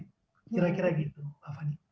kira kira gitu mbak fani